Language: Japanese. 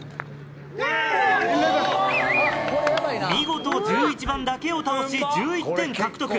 見事１１番だけを倒し１１点獲得。